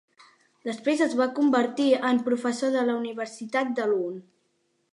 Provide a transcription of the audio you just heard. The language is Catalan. Després es va convertir en professor de la Universitat de Lund.